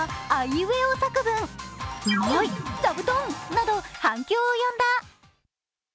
「うまい」「座布団」など反響を呼んだ。